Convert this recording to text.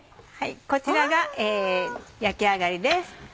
こちらが焼き上がりです。